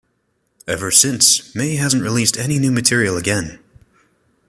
Ever since, Mey hasn't released any new material again.